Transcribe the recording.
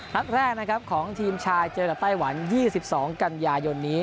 นัดแรกนะครับของทีมชายเจอกับไต้หวัน๒๒กันยายนนี้